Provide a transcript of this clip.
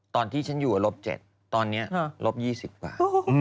ตอนที่ฉันอยู่ลบ๗ตอนนี้ลบ๒๐กว่า